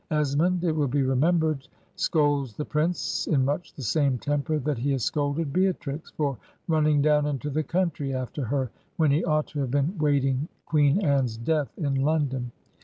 Esmond, it will be remembered, scolds tke prince in much the same temper that he has scolded Beatrix, for nmning down into the country after her, when he ought to have been waiting Queen Anne's death in London.